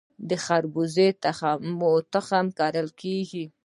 د خربوزې تخم کرل کیږي؟